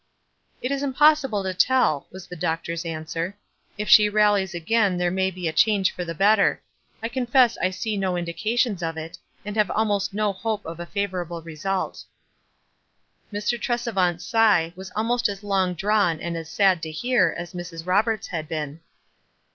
"It is impossible to tell," was the doctor's answer. "If she rallies again there may be a change for the better. I confess I see no indi cations of it, and have almost no hope of a favorable result." 278 WISE AND OTHERWISE. Mr. Trcsevant's sigh was almost as long drawn and as sad to hear as Mrs. Roberts', had been.